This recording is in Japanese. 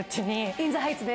『イン・ザ・ハイツ』ね。